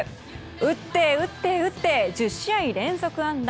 打って打って打って１０試合連続安打。